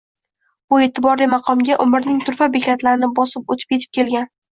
bu e’tiborli maqomga umrning turfa bekatlarini bosib o’tib yetib kelgan.